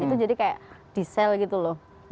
itu jadi kayak di sel gitu loh